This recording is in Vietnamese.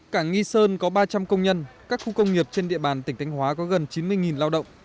cảng nghi sơn có ba trăm linh công nhân các khu công nghiệp trên địa bàn tỉnh thanh hóa có gần chín mươi lao động